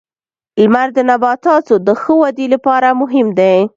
• لمر د نباتاتو د ښه ودې لپاره مهم دی.